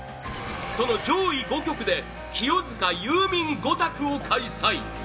その上位５曲で清塚ユーミン５択を開催！